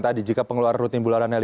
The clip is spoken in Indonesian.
tadi jika pengeluaran rutin bulanannya